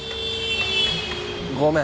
ごめん。